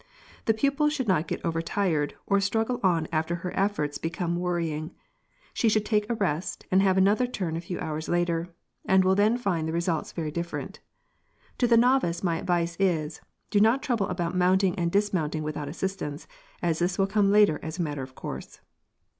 The pupil should not get over tired, or struggle on after her efforts become worrying. She should take a rest and have another turn a few hours later, and will then find the result very different. To the novice my advice is, do not trouble about mounting and dismounting without assistance, as this will come later as a matter of course.